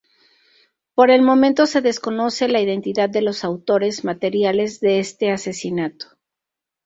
Por el momento, se desconoce la identidad de los autores materiales de este asesinato.